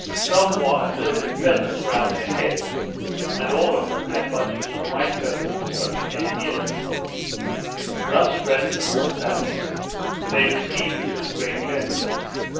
Some wore a fillet of feathers round their heads; and all of them had bunches of white feathers stuck in their ears: Thus dressed, and all standing, they received us with great courtesy.